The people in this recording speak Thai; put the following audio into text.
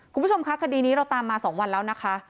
คุณผู้ชมคะคดีนี้เราตามมา๒วันแล้วนะคะ